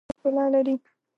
لمسی د کوچنیوالي ښکلا لري.